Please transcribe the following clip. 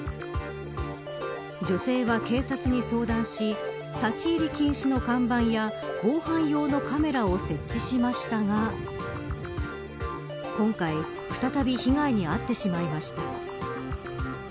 女性は警察に相談し立ち入り禁止の看板や防犯用のカメラを設置しましたが今回、再び被害に遭ってしまいました。